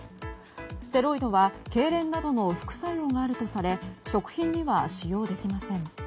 ステロイドは、けいれんなどの副作用があるとされ食品には使用できません。